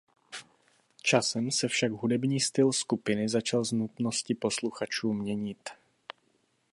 Časem se však hudební styl skupiny začal z nutnosti posluchačů měnit.